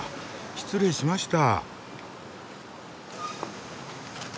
失礼しました。